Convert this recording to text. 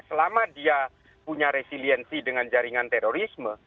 selama dia punya resiliensi dengan jaringan terorisme